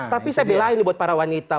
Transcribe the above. tapi saya belain buat para wanita